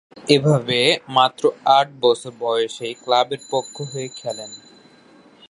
এভাবে মাত্র আট বছর বয়সেই ক্লাবের পক্ষ হয়ে খেলেন।